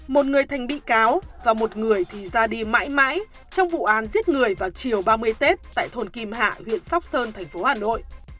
một người thành bị cáo và một người thì ra đi mãi mãi trong vụ án giết người vào chiều ba mươi tết tại thôn kim hạ huyện sóc sơn thành phố hà nội